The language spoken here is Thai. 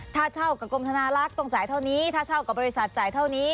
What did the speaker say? ถ้าเช่ากับกรมธนาลักษณ์ต้องจ่ายเท่านี้ถ้าเช่ากับบริษัทจ่ายเท่านี้